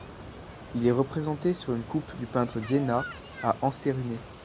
Il est représenté sur une coupe du Peintre d'Iéna à Ensérune.